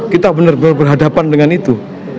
kita benar benar berhadapan dengan itu